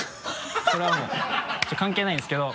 それはもうちょっと関係ないんですけど。